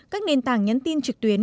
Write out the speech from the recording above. các nền tảng nhắn tin trực tuyến